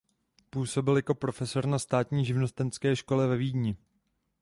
Působil jako profesor na Státní živnostenské škole ve Vídni.